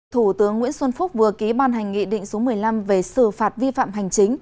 thủ tướng nguyễn xuân phúc vừa ký ban hành nghị định số một mươi năm về xử phạt vi phạm hành chính